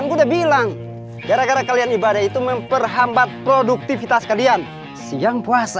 udah bilang gara gara kalian ibadah itu memperhambat produktivitas kalian siang puasa